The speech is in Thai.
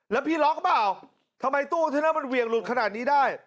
แล้วพี่ล็อกหรือเปล่าทำไมตู้เทนเนอร์มันเหวี่ยงหลุดขนาดนี้ได้